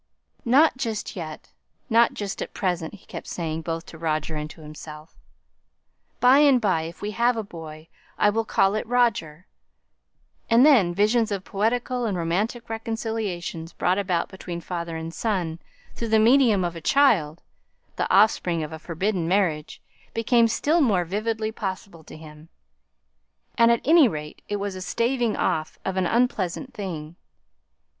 "Not just yet, not just at present," he kept saying both to Roger and to himself. "By and by, if we have a boy, I will call it Roger" and then visions of poetical and romantic reconciliations brought about between father and son, through the medium of a child, the offspring of a forbidden marriage, became still more vividly possible to him, and at any rate it was a staving off of an unpleasant thing.